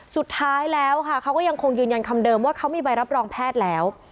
สุดท้ายแล้วค่ะเขาก็ยังคงยืนยันคำเดิมว่าเขามีใบรับรองแพทย์แล้ว